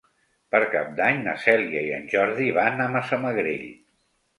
Per Cap d'Any na Cèlia i en Jordi van a Massamagrell.